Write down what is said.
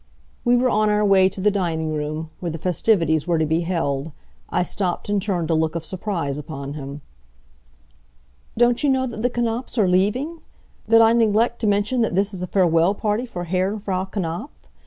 We were on our way to the dining room, where the festivities were to be held. I stopped and turned a look of surprise upon him. "Don't you know that the Knapfs are leaving? Did I neglect to mention that this is a farewell party for Herr and Frau Knapf?